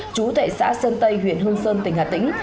chú thệ xã sơn tây huyện hương sơn tỉnh hà tĩnh